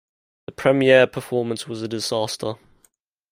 The premiere performance was a disaster.